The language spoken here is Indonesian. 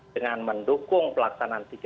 dengan mendukung pelaksanaan tiga